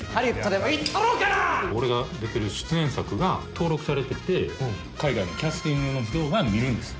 俺が出てる出演作が登録されてて海外のキャスティングの人が見るんです。